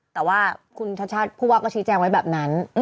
แต่ว่าคุณชัชชาติผู้ว่าก็ชี้แจงไว้แบบนั้น